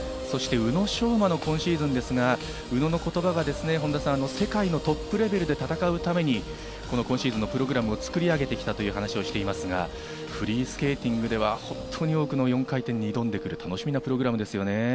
そして宇野昌磨の今シーズンですが、宇野の言葉がですね、世界のトップレベルで戦うために、今シーズンのプログラムを作り上げてきたという話をしていますが、フリースケーティングでは本当に多くの４回転に挑んでくる楽しみなプログラムですね。